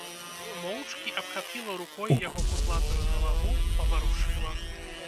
Моўчкі абхапіла рукой яго кудлатую галаву, паварушыла.